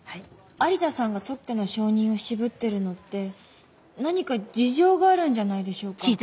有田さんが特許の承認を渋ってるのって何か事情があるんじゃないでしょうか。